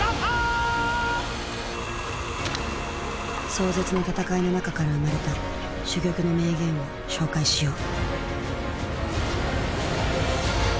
壮絶な戦いの中から生まれた珠玉の名言を紹介しよう。